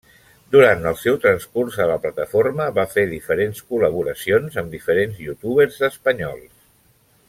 Durant el seu transcurs a la plataforma va fer diferents col·laboracions amb diferents youtubers espanyols.